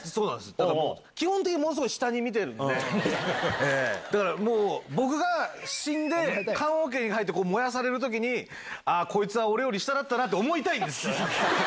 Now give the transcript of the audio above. だから、基本的にものすごい下に見てるんで、だからもう、僕が死んで、棺おけに入って燃やされるときに、ああ、こいつは俺より下だったなって思いたいんですよ。